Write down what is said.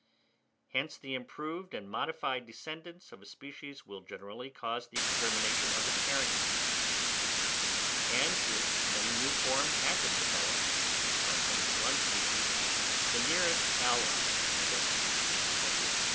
Hence the improved and modified descendants of a species will generally cause the extermination of the parent species; and if many new forms have been developed from any one species, the nearest allies of that species, _i.e.